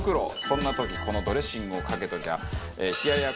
そんな時このドレッシングをかけときゃ冷奴